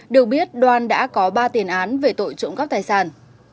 được biết đoan đã có ba tiền án về tội trộm cắp tài sản